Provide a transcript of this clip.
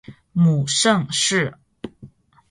母盛氏。